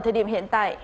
ở thời điểm hiện tại